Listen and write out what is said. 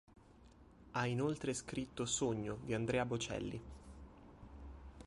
Ha inoltre scritto Sogno di Andrea Bocelli.